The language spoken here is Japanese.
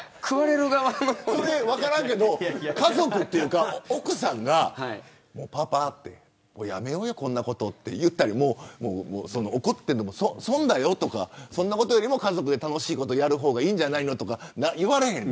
分からんけど家族とか奥さんがパパ、もうやめようよこんなことって言ったり怒ってるのも損だよとかそんなことより家族で楽しいことやる方がいいんじゃないとか言われないの。